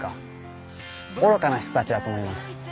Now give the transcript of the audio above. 愚かな人たちだと思います。